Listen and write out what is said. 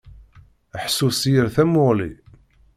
Ḥṣu s yir tamuɣli.